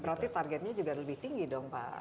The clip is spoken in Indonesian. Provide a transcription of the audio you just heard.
berarti targetnya juga lebih tinggi dong pak